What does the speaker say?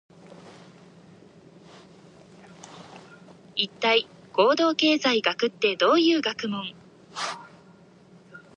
一体、行動経済学ってどういう学問？